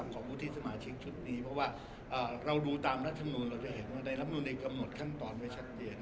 ของวุฒิสมาชิกชุดนี้เพราะว่าเราดูตามรัฐมนุนเราจะเห็นว่าในรัฐมนุนเองกำหนดขั้นตอนไว้ชัดเจน